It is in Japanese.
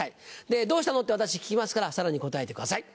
「どうしたの？」って私聞きますからさらに答えてください。